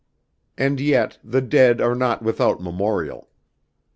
And yet the dead are not without memorial.